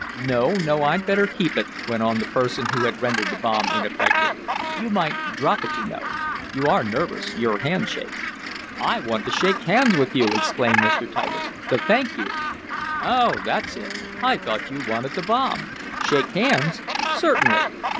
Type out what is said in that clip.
"No, no, I'd better keep it," went on the person who had rendered the bomb ineffective. "You might drop it you know. You are nervous your hand shakes." "I want to shake hands with you!" exclaimed Mr. Titus "to thank you!" "Oh, that's it. I thought you wanted the bomb. Shake hands? Certainly!"